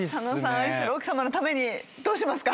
愛する奥さまのためにどうしますか？